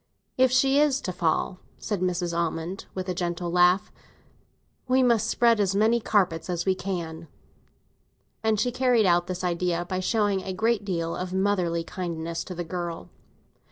"If she is to have a fall," said Mrs. Almond, with a gentle laugh, "we must spread as many carpets as we can." And she carried out this idea by showing a great deal of motherly kindness to the girl.